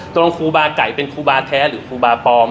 ตรงครูบาไก่เป็นครูบาแท้หรือครูบาปลอม